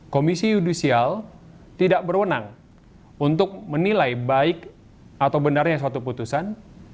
komisi yudisial tidak berwenang untuk menilai baik atau benarnya suatu putusan